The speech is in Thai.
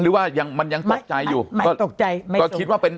หรือว่ายังมันยังตกใจอยู่ก็ตกใจไหมก็คิดว่าเป็น